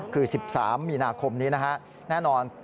คือ๑๓มีนาคมนี้นะฮะแน่นอน